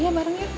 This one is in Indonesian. iya bareng ya